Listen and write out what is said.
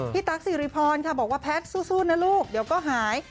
ตั๊กสิริพรค่ะบอกว่าแพทย์สู้นะลูกเดี๋ยวก็หาย